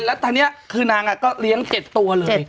แล้วทีนี้คือนางก็เลี้ยงเจ็ดตัวเลย